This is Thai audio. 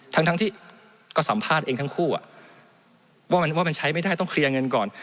ทั้งที่ก็สัมภาษณ์เองทั้งคู่ว่ามันใช้ไม่ได้ต้องเคลียร์เงินก่อน